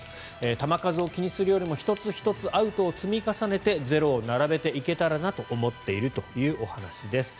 球数を気にするよりも１つ１つアウトを重ねてゼロを並べていけたらなと思っているという話です。